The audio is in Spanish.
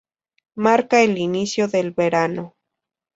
Marca el inicio del verano.